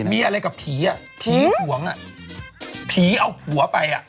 มีอะไรกับผีผีห่วงผีเอาผัวไป